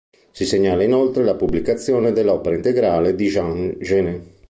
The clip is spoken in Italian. Si segnala inoltre la pubblicazione dell'opera integrale di Jean Genet.